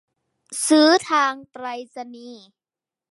ซื้อทางไปรษณีย์